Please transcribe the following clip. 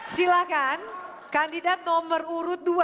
silakan kandidat nomor urut dua